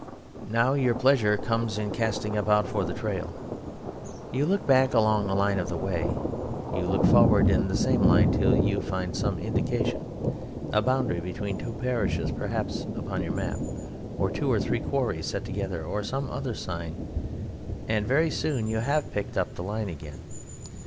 Now your pleasure comes in casting about for the trail; you look back along the line of the Way; you look forward in the same line till you find some indication, a boundary between two parishes, perhaps upon your map, or two or three quarries set together, or some other sign, and very soon you have picked up the line again.